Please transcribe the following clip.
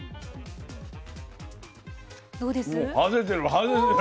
どうです？